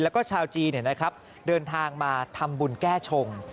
แล้วก็ชาวจีนเดินทางมาทำบุญแก้ชง